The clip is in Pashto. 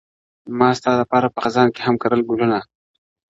ما ستا لپاره په خزان کي هم کرل گلونه,